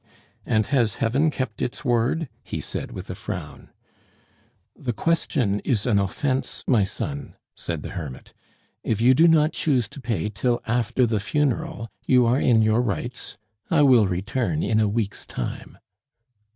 "And has Heaven kept its word?" he said, with a frown. "The question is an offence, my son," said the hermit. "If you do not choose to pay till after the funeral, you are in your rights. I will return in a week's time."